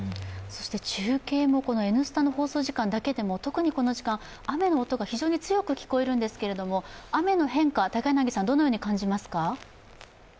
中継も「Ｎスタ」の放送時間だけでも特にこの時間、雨の音が非常に強く聞こえるんですけれども、雨の変化、どのように感じますか？